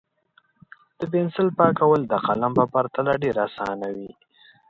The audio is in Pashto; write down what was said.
د پنسل پاکول د قلم په پرتله ډېر اسانه وي.